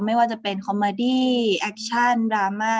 ไม่ว่าจะเป็นคอมเมอดี้แอคชั่นดราม่า